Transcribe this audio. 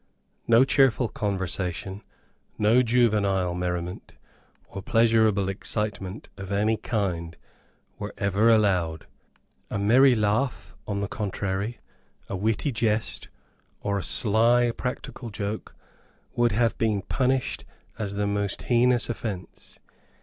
No cheerful conversation, no juvenile merriment, or pleasureable excitement of any kind, were ever allowed. A merry laugh, on the contrary, a witty jest, or a sly practical joke, would have been punished as the most heinous offence.